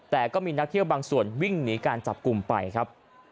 แต่ก็มีนักเที่ยวบางส่วนวิ่งหนีการจับกลุ่มไปครับ